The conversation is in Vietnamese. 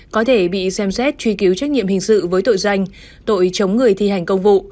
có thể bị xem xét truy cứu trách nhiệm hình sự với tội danh tội chống người thi hành công vụ